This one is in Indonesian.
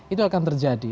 itu akan terjadi